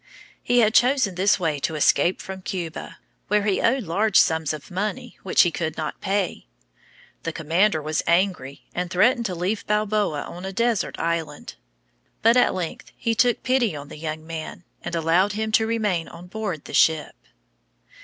He had chosen this way to escape from Cuba, where he owed large sums of money which he could not pay. The commander was angry, and threatened to leave Balboa on a desert island; but at length he took pity on the young man, and allowed him to remain on board the ship.